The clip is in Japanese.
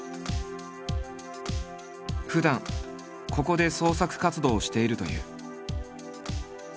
ふだんここで創作活動をしているという。